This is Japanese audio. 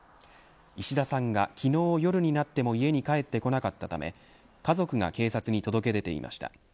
石田さんが、昨日夜になっても家に帰ってこなかったため家族が警察に届け出ていました。